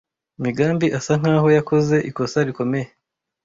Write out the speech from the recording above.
Migambi asa nkaho yakoze ikosa rikomeye.